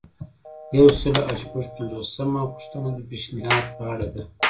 یو سل او شپږ پنځوسمه پوښتنه د پیشنهاد په اړه ده.